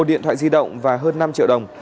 một điện thoại di động và hơn năm triệu đồng